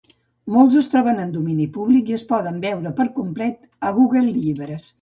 Molts es troben en el domini públic i es poden veure per complet a Google Llibres.